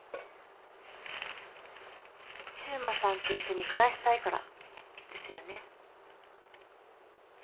柊磨さんと一緒に暮らしたいから。ですよね？